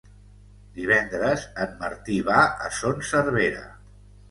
Divendres en Martí va a Son Servera.